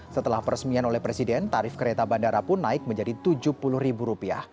setelah peresmian oleh presiden tarif kereta bandara pun naik menjadi rp tujuh puluh